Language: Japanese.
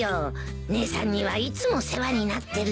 姉さんにはいつも世話になってるし。